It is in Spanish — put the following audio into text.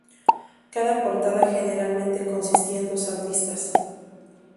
Cada portada generalmente consistía en dos artistas.